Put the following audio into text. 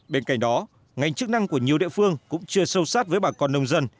bên cạnh đó ngành chức năng của nhiều địa phương cũng chưa sâu sát với bà con nông dân